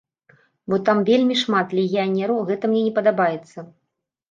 Бо там вельмі шмат легіянераў, гэта мне не падабаецца.